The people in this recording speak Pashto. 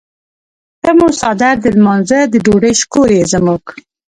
ته مو څادر د لمانځۀ د ډوډۍ شکور یې زموږ.